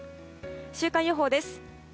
週間予報です。